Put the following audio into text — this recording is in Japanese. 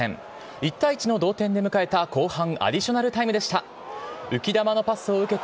１対１の同点で迎えた、後半アディショナルタイムでした。